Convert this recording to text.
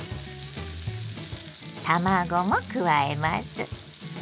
卵も加えます。